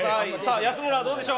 安村はどうでしょう。